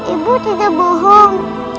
ibu tidak bohong